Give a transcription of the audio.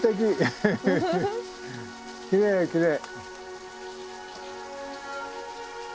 きれいきれい。